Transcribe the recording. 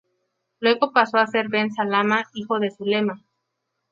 Luego pasó a ser Ben-salama, "Hijo de Zulema".